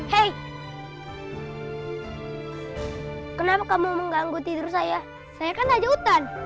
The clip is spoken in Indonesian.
hei kenapa kamu mengganggu tidur saya saya kan aja hutan